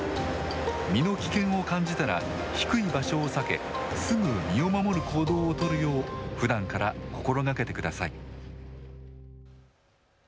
身の危険を感じたら低い場所を避けすぐ身を守る行動を取るようふだんから心がけてください。